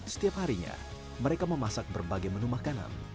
setiap harinya mereka memasak berbagai menu makanan